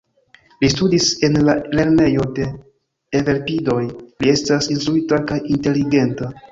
Li studis en la lernejo de «Evelpidoj», li estas instruita kaj inteligenta.